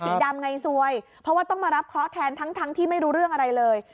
ดำไงซวยเพราะว่าต้องมารับเคราะห์แทนทั้งที่ไม่รู้เรื่องอะไรเลย